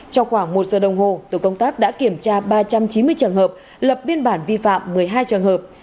trong khoảng một giờ đồng hồ tổ công tác đã kiểm tra ba trăm chín mươi trường hợp lập biên bản vi phạm một mươi hai trường hợp